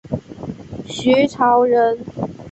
徐潮人。